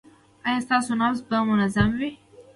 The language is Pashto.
ایا ستاسو نبض به منظم وي؟